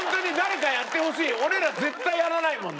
俺ら絶対やらないもんね。